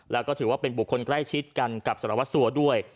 แล้วก็ถือว่าเป็นบุคคลใกล้ชิดกันกับสารวัสสัวด้วย